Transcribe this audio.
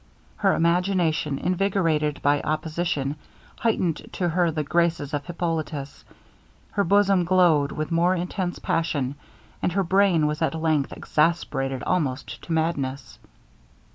Her imagination, invigorated by opposition, heightened to her the graces of Hippolitus; her bosom glowed with more intense passion, and her brain was at length exasperated almost to madness.